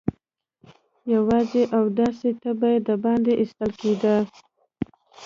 يواځې اوداسه ته به د باندې ايستل کېده.